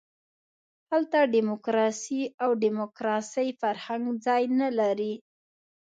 هلته ډیموکراسي او د ډیموکراسۍ فرهنګ ځای نه لري.